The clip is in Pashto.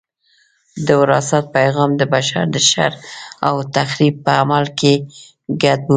د وراثت پیغام د بشر د شر او تخریب په عمل کې ګډ بولي.